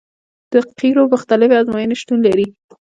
د قیرو مختلفې ازموینې شتون لري